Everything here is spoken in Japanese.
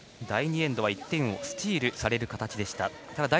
第２エンドは１点をスチールされる形でした。